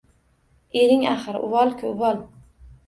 Ering axir… Uvol-ku, uvol!